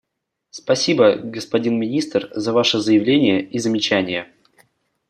Спасибо, господин Министр, за Ваше заявление и замечания.